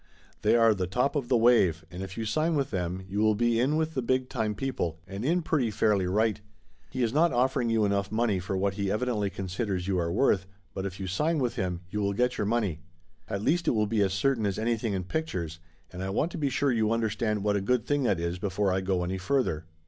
They are the top of the wave, and if you sign with them you will be in with the big time people, and in pretty fairly right. He is not offer ing you enough money for what he evidently considers you are worth, but if you sign with him you will get your money. At least it will be as certain as anything in pictures, and I want to be sure you understand what a good thing that is before I go any further.